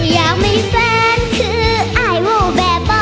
อยากมีแฟนคืออายโว่แบบบ่